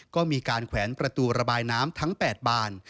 ก็มีการแขวนประตูระบายน้ำทั้ง๘บาน